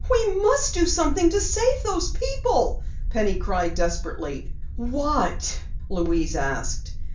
"We must do something to save those people!" Penny cried desperately. "What?" Louise asked.